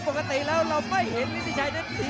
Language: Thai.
นั่นของผู้โชพชมรุนภีร์